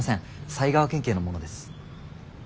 埼川県警の者です。